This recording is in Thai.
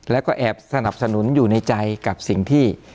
แล้วก็แอบสนับสนุนอยู่ในใจกับสิ่งที่